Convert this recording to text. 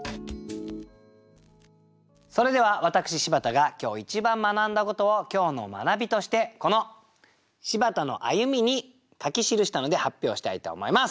それでは私柴田が今日一番学んだことを今日の学びとしてこの「柴田の歩み」に書き記したので発表したいと思います。